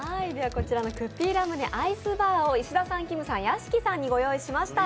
こちらのクッピーラムネアイスバーを石田さん、きむさん、屋敷さんにご用意しました。